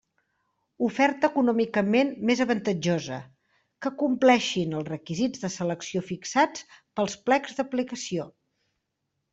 Oferta econòmicament més avantatjosa, que compleixen els requisits de selecció fixats pels plecs d'aplicació.